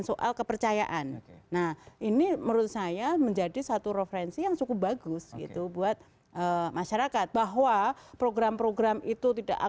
supaya apa di debat debat